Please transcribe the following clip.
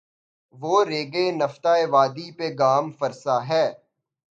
وہ ریگِ تفتۂ وادی پہ گام فرسا ہے